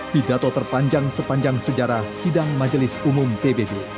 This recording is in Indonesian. pidato terpanjang sepanjang sejarah sidang majelis umum pbb